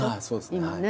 今ね。